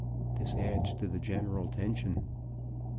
This adds to the general tension.